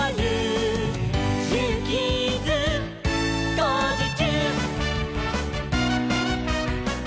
「ジューキーズ」「こうじちゅう！」